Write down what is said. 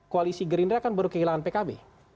koalisi gerindra kan baru kehilangan pkb